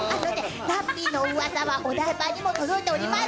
ラッピーのうわさはお台場にも届いております。